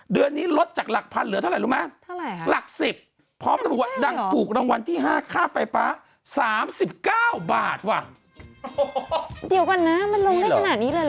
เดี๋ยวก่อนนะมันลงได้ขนาดนี้เลยหรอพี่